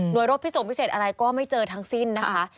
หน่วยรถพิสูจน์พิเศษอะไรก็ไม่เจอทั้งสิ้นนะคะ